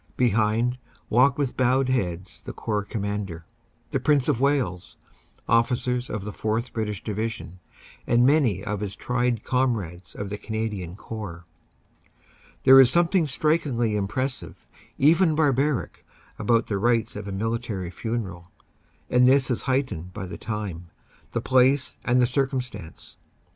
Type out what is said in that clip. Behind walk with bowed head the Corps Commander, the Prince of Wales, officers of the 4th. British Division and many of his tried comrades of the Canadian Corps. There is something strikingly impressive, even bar baric, about the rites of a military funeral, and this is height ened by the time, the place and the circumstance.